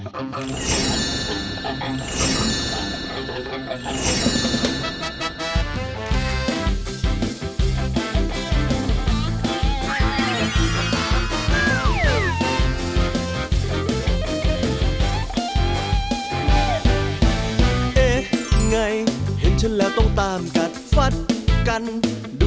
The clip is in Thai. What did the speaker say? คือผมอยากให้คุณปลอยช่วยชาวบ้านกับใบตอง